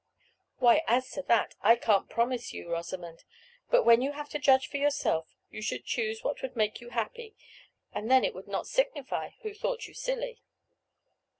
"Why, as to that, I can't promise you, Rosamond; but when you have to judge for yourself you should choose what would make you happy, and then it would not signify who thought you silly."